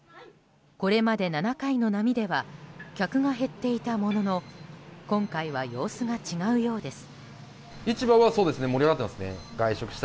これまで７回の波では客が減っていたものの今回は様子が違うようです。